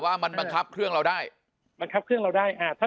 ว่ามันบังคับเครื่องเราได้บังคับเครื่องเราได้อ่าถ้า